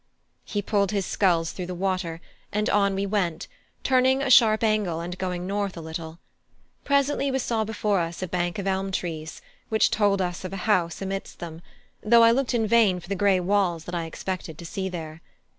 He pulled his sculls through the water, and on we went, turning a sharp angle and going north a little. Presently we saw before us a bank of elm trees, which told us of a house amidst them, though I looked in vain for the grey walls that I expected to see there.